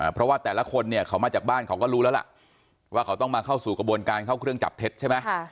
เพราะว่าแต่ละคนเนี่ยเขามาจากบ้านเขาก็รู้แล้วล่ะว่าเขาต้องมาเข้าสู่กระบวนการเข้าเครื่องจับเท็จใช่ไหม